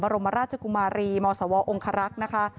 รมราชกุมารีมสวองคารักษ์นะคะ